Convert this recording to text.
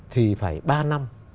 thì phải ba năm